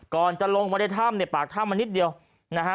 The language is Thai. ก่อนจะลงมาในถ้ำในปากถ้ำมานิดเดียวนะฮะ